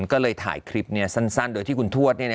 ก็เลยถ่ายคลิปสั้นโดยที่คุณทวด